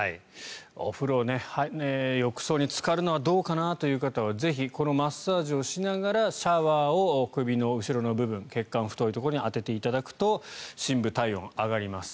お風呂、浴槽につかるのはどうかなという方はぜひ、このマッサージをしながらシャワーを首の後ろの部分血管の太いところに当てていただくと深部体温が上がります。